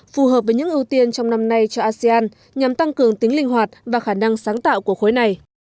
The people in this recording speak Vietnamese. phù hợp với những ưu tiên trong năm nay cho asean nhằm tăng cường tính linh hoạt và khả năng sáng tạo của khối này